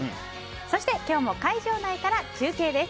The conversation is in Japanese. そして、今日も会場内から中継です。